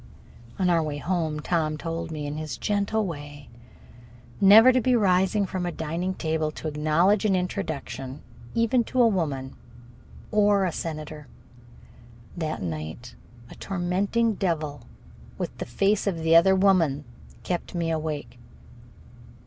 On our way home, Tom told me, in his gentle way, never to rise from a dining table to acknowledge an introduction even to a woman or a senator. That night a tormenting devil with the face of the other woman kept me awake.